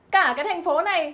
cả cái thành phố này